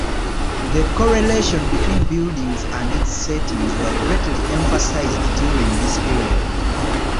The correlation between buildings and its settings were greatly emphasized during this period.